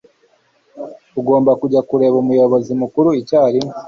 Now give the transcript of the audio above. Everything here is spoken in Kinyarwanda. Ugomba kujya kureba umuyobozi mukuru icyarimwe.